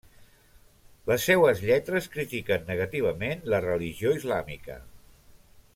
Les seues lletres critiquen negativament la religió islàmica.